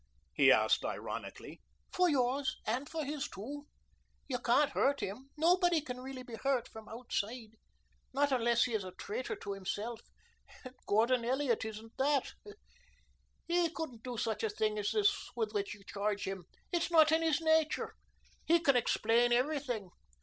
he asked ironically. "For yours and for his, too. You can't hurt him. Nobody can really be hurt from outside not unless he is a traitor to himself. And Gordon Elliot isn't that. He couldn't do such a thing as this with which you charge him. It is not in his nature. He can explain everything."